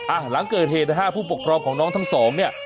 หลังเกิดเหตุนะฮะผู้ปกครองของน้องทั้งสองเนี่ย